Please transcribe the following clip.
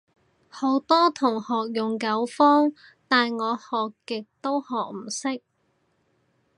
好多同學用九方，但我學極都學唔識